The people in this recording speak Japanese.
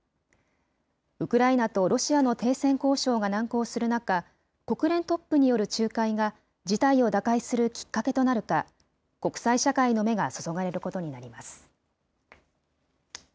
ウクライナとロシアの停戦交渉が難航する中、国連トップによる仲介が、事態を打開するきっかけとなるか、国際社会の目が注がれることになります。